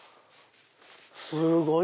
すごい！